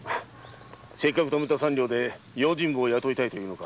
せっかく貯めた三両で用心棒を雇いたいのか？